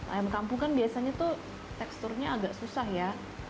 ayam kampung kan biasanya tuh teksturnya agak susah ya